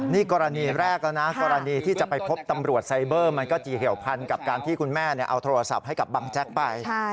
นี่กรณีแรกแล้วนะกรณีที่จะไปพบตำรวจไซเบอร์มันก็จะเหี่ยวพันกับการที่คุณแม่เอาโทรศัพท์ให้กับบังแจ๊กไป